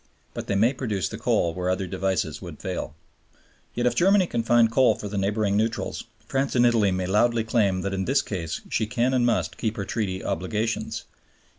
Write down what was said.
But they may produce the coal where other devices would fail. Yet if Germany can find coal for the neighboring neutrals, France and Italy may loudly claim that in this case she can and must keep her treaty obligations.